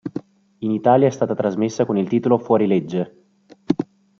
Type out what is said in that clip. In Italia è stata trasmessa con il titolo "Fuorilegge".